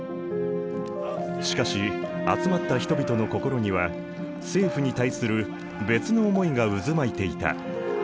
しかし集まった人々の心には政府に対する別の思いが渦巻いていた。